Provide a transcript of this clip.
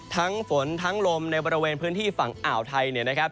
ฝนทั้งลมในบริเวณพื้นที่ฝั่งอ่าวไทยเนี่ยนะครับ